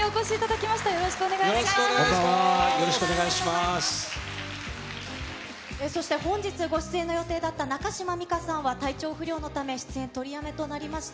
こんばんは、よろしくお願いそして、本日ご出演の予定だった中島美嘉さんは、体調不良のため、出演取りやめとなりました。